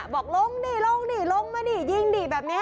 บอกลงนี่ลงดิลงมานี่ยิงดิแบบนี้